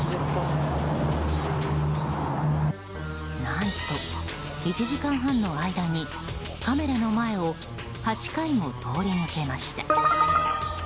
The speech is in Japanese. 何と１時間半の間にカメラの前を８回も通り抜けました。